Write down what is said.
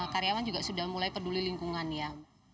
karyawan juga sudah mulai peduli lingkungannya